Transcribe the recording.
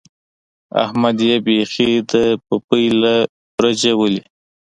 احمد يې بېخي د ببۍ له برجه ولي.